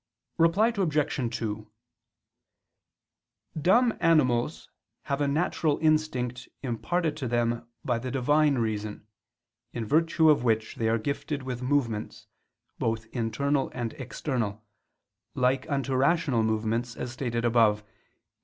Reply Obj. 2: Dumb animals have a natural instinct imparted to them by the Divine Reason, in virtue of which they are gifted with movements, both internal and external, like unto rational movements, as stated above (Q.